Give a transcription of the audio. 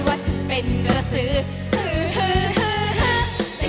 ฮุยฮาฮุยฮารอบนี้ดูทางเวที